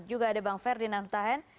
juga ada bang ferdinand tahan